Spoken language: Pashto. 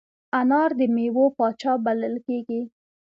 انار د میوو پاچا بلل کېږي.